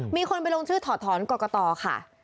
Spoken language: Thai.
มีคนไปลงชื่อถอดถอนกรกตค่ะ